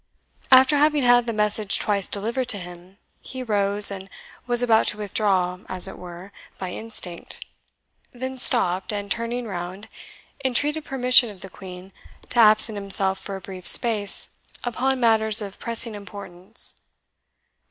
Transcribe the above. After having had the message twice delivered to him, he rose, and was about to withdraw, as it were, by instinct; then stopped, and turning round, entreated permission of the Queen to absent himself for a brief space upon matters of pressing importance.